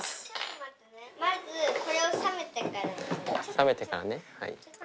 冷めてからねはい。